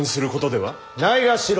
ないがしろ？